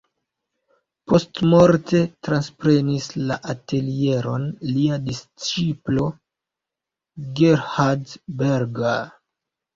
Postmorte transprenis la atelieron lia disĉiplo Gerhard Berger.